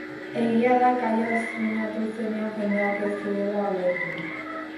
Egia da Kaioa estreinatu zenean jendeak ez zuela ulertu...